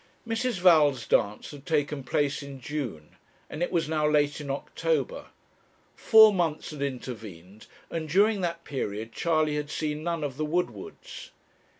Mrs. Val's dance had taken place in June, and it was now late in October. Four months had intervened, and during that period Charley had seen none of the Woodwards.